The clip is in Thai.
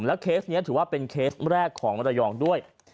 เคสนี้ถือว่าเป็นเคสแรกของมรยองด้วย